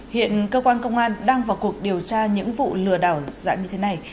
hiện cơ quan công an đang vào cuộc điều tra những vụ lừa đảo giả như thế này